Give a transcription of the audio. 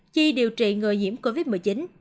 chi điều trị ngừa nhiễm covid một mươi chín